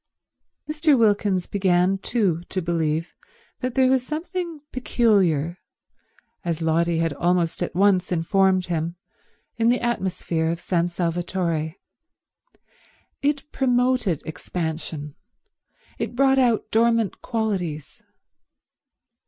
Mr. Wilkins began too to believe there was something peculiar, as Lotty had almost at once informed him, in the atmosphere of San Salvatore. It promoted expansion. It brought out dormant qualities.